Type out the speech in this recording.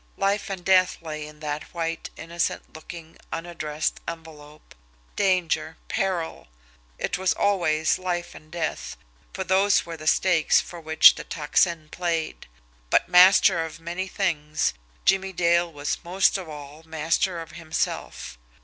Life and death lay in that white, innocent looking, unaddressed envelope, danger, peril it was always life and death, for those were the stakes for which the Tocsin played. But, master of many things, Jimmie Dale was most of all master of himself.